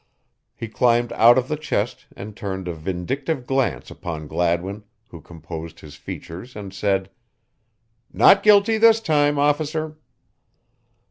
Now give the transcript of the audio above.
He climbed out of the chest and turned a vindictive glance upon Gladwin, who composed his features and said: "Not guilty this time, Officer."